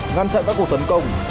ngăn chặn các cuộc tấn công